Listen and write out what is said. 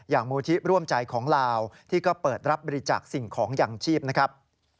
มูลที่ร่วมใจของลาวที่ก็เปิดรับบริจาคสิ่งของอย่างชีพนะครับ